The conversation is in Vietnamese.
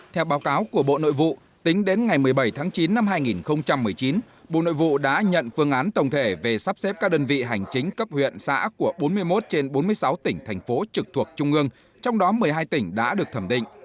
theo báo cáo của bộ nội vụ tính đến ngày một mươi bảy tháng chín năm hai nghìn một mươi chín bộ nội vụ đã nhận phương án tổng thể về sắp xếp các đơn vị hành chính cấp huyện xã của bốn mươi một trên bốn mươi sáu tỉnh thành phố trực thuộc trung ương trong đó một mươi hai tỉnh đã được thẩm định